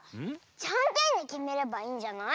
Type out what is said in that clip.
じゃんけんできめればいいんじゃない？